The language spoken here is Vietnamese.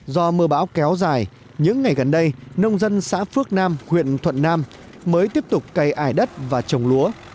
do mưa bão kéo dài những ngày gần đây nông dân xã phước nam huyện thuận nam mới tiếp tục cày ải đất và trồng lúa